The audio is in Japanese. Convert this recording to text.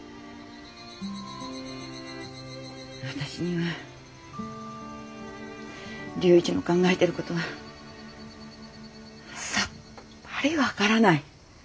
私には龍一の考えてる事がさっぱり分からない。